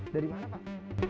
dari mana pak